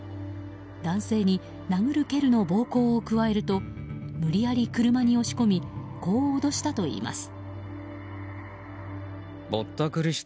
男性に殴る蹴るの暴行を加えると無理やり車に押し込みこう脅したといいます。